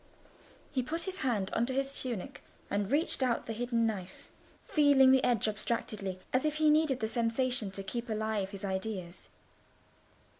He put his hand under his tunic, and reached out the hidden knife, feeling the edge abstractedly, as if he needed the sensation to keep alive his ideas.